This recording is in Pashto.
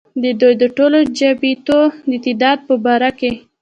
ددوي د ټولو چابېتو د تعداد پۀ باره کښې